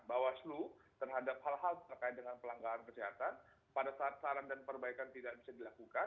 bawaslu terhadap hal hal terkait dengan pelanggaran kesehatan pada saat saran dan perbaikan tidak bisa dilakukan